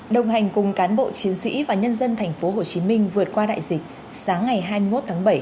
đồng hành cùng cán bộ chiến sĩ và nhân dân tp hcm vượt qua đại dịch sáng ngày hai mươi một tháng bảy